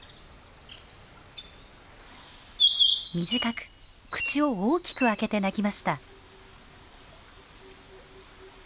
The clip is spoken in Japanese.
短く口を大きく開けて鳴きました。